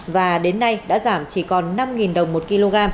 và đến nay đã giảm chỉ còn năm đồng một kg